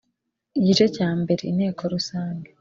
Igice cya mbere Inteko rusange